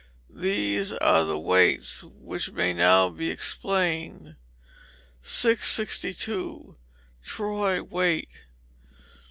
These are the weights, which may now be explained. 662. Troy Weight.